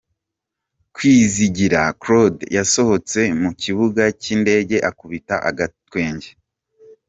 Kwizigira Claude yasohotse mu kibuga cy'indege akubita agatwenge.